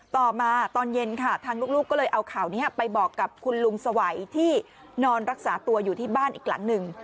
ต่อมาตอนเย็นค่ะทางลูกก็เลยเอาข่าวนี้ไปบอกกับคุณลุงสวัยที่นอนรักษาตัวอยู่ที่บ้านอีกหลังหนึ่ง